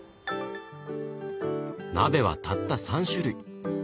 鍋はたった３種類。